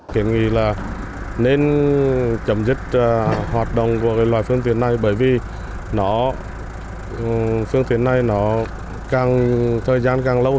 kiểm nghi là nên chấm dứt hoạt động của loại phương tiện này bởi vì phương tiện này nó càng thời gian càng lâu